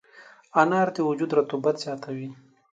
انار د وجود رطوبت زیاتوي.